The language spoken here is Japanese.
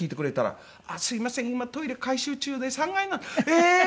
「ええー！」